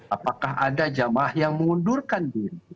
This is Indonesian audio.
apakah ada jamaah yang mengundurkan diri